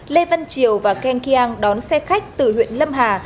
lê văn triều và keng kiang đón xe khách từ huyện lâm hà